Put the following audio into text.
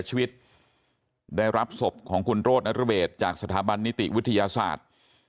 ชีวิตได้รับศพของคุณโรธนรเบศจากสถาบันนิติวิทยาศาสตร์